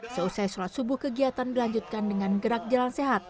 seusai sholat subuh kegiatan dilanjutkan dengan gerak jalan sehat